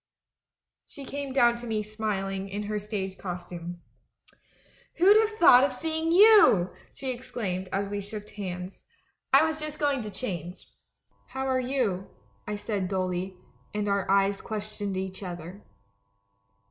She came down to me, smiling, in her stage costume. " 'Who'd have thought of seeing you!' she ex claimed, as we shook hands; 'I was just going to change.' 198 THE MAN WHO UNDERSTOOD WOMEN " 'How are you?' I said dully, and our eyes questioned each other.